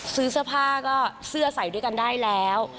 ซื้อเสื้อผ้าก็เสื้อใส่ด้วยกันได้แล้ว